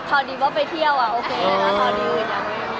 เท่าดีว่าไปเที่ยวอะโอเคเลยนะเท่าดีอื่นยังไม่มีหรอก